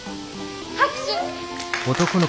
拍手！